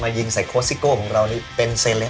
มายิงสายโก้สิกโกของเรานี่เป็นเซลลี่